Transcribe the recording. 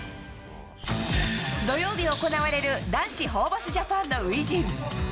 土曜日行われる男子ホーバスジャパンの初陣。